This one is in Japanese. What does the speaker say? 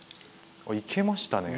いけましたね。